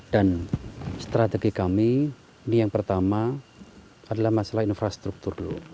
dan strategi kami ini yang pertama adalah masalah infrastruktur dulu